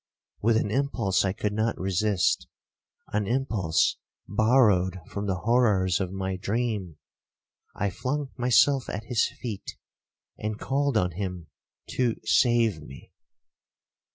With an impulse I could not resist,—an impulse borrowed from the horrors of my dream, I flung myself at his feet, and called on him to 'save me.'